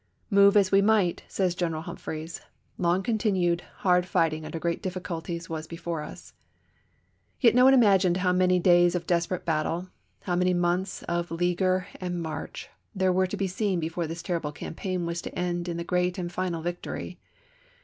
"Move as we might," says General Humphreys, "long continued, hard fighting under gi^eat diffi culties was before us." Yet no one imagined how many days of desperate battle, how many months of leaguer and march, they were to see before this terrible campaign was to end in the gi^eat and final victory.